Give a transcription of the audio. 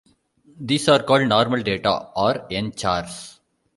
These are called "normal data" or "N-chars.